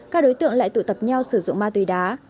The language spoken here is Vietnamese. các đối tượng lại tụ tập nhau sử dụng ma túy đá